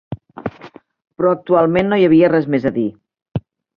Però actualment no hi havia res més a dir.